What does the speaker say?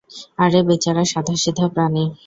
আরে বেচারা সাধাসিধা প্রাণী।